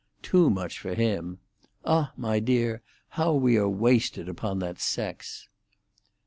Too much for him. Ah, my dear, how we are wasted upon that sex!"